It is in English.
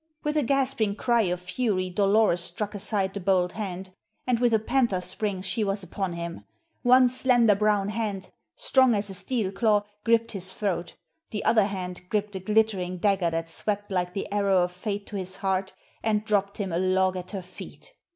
With a gasping cry of fury Dolores struck aside the bold hand, and with a panther spring she was upon him. One slender, brown hand, strong as a steel claw, gripped his throat; the other hand gripped a glittering dagger that swept like the arrow of fate to his heart and dropped him a log at her feet.